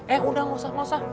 eh udah nggak usah